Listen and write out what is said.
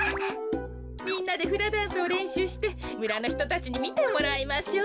みんなでフラダンスをれんしゅうしてむらのひとたちにみてもらいましょう。